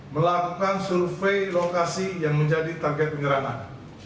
melakukan survei lokasi yang menjadi target penyerangan